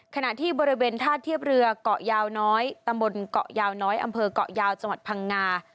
ขณะที่บริเวณท่าเทียบเรือเกาะยาวน้อยตำบลเกาะยาวน้อยอำเภอกเกาะยาวจังหวัดพังงา